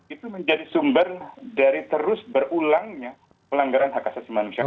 itu menjadi sumber dari terus berulangnya pelanggaran hak asasi manusia